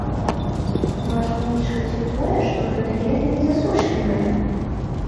Важна ўлічваць і тое, што гэта лета не засушлівае.